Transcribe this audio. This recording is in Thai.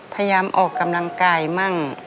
พยายามออกกำลังกายมั่ง